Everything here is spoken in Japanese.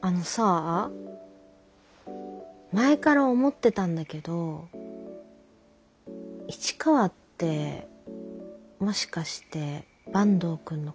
あのさぁ前から思ってたんだけど市川ってもしかして坂東くんのこと。